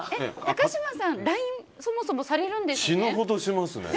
高嶋さん、ＬＩＮＥそもそもされるんですね。